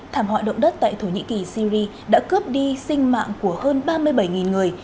thảm họa động đất tại thổ nhĩ kỳ syri đã cướp đi sinh mạng của hơn ba mươi bảy người